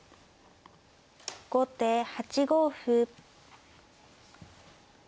後手８五歩。